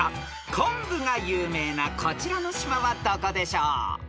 ［昆布が有名なこちらの島はどこでしょう？］